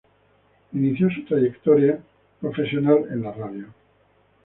Inició su trayectoria profesional en la radio.